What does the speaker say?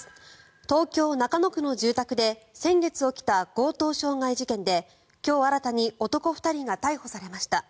東京・中野区の住宅で先月起きた強盗傷害事件で今日、新たに男２人が逮捕されました。